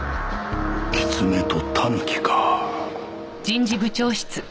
キツネとタヌキか。